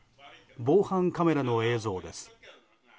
防犯カメラの映像です。